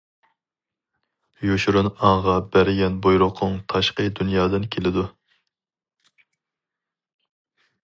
يوشۇرۇن ئاڭغا بەرگەن بۇيرۇقۇڭ تاشقى دۇنيادىن كېلىدۇ.